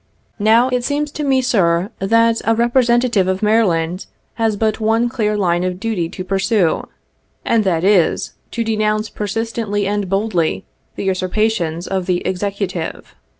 Now, it seems to me, sir, that a Representative of Mary land has but one clear line of duty to pursue, and that is, to denounce Tl persistently and boldly the usurpations of the Executive.